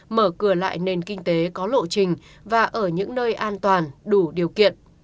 mở cửa lại nền kinh tế có lộ trình và ở những nơi an toàn đủ điều kiện